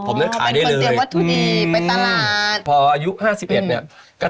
ตอนนี้มีกี่โต๊ะ